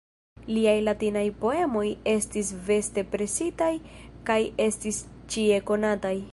Liaj latinaj poemoj estis vaste presitaj kaj estis ĉie konataj.